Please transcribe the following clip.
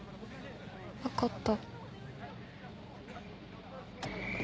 わかった。